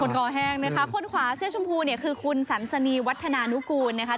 คนกอฮ่างนะครับคนขวาเสบชมพูเนี่ยคือคุณศัลสนีวัฒนานุกูลนะครับ